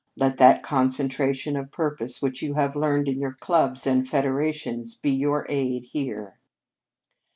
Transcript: Let that concentration of purpose which you have learned in your clubs and federations be your aid here.